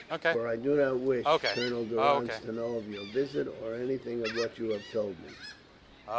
For I do not wish Colonel Durrance to know of your visit or anything of what you have told me."